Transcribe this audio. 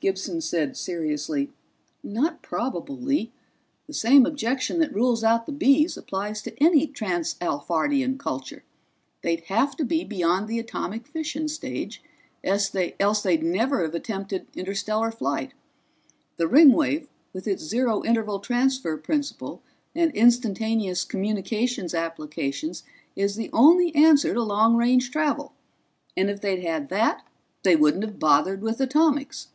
Gibson said seriously, "Not probable, Lee. The same objection that rules out the Bees applies to any trans Alphardian culture they'd have to be beyond the atomic fission stage, else they'd never have attempted interstellar flight. The Ringwave with its Zero Interval Transfer principle and instantaneous communications applications is the only answer to long range travel, and if they'd had that they wouldn't have bothered with atomics."